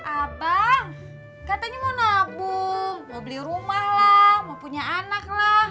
abang katanya mau nabung mau beli rumah lah mau punya anak lah